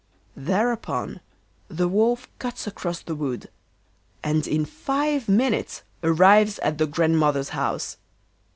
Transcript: Thereupon the Wolf cuts across the wood, and in five minutes arrives at the Grandmother's house.